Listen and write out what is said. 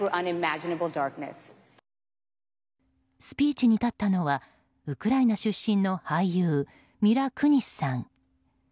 スピーチに立ったのはウクライナ出身の俳優ミラ・クニスさん。